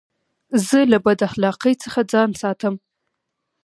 زه له بداخلاقۍ څخه ځان ساتم.